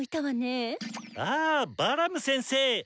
ああバラム先生！